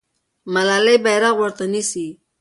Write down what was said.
ملالۍ بیرغ ورته نیسي.